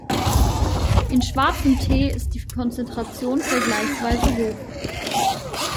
In schwarzem Tee ist die Konzentration vergleichsweise hoch.